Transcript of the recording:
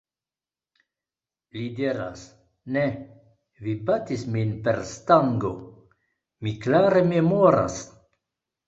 Li diras: "Ne! Vi batis min per stango. Mi klare memoras."